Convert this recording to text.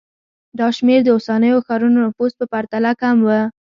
دا شمېر د اوسنیو ښارونو نفوس په پرتله کم و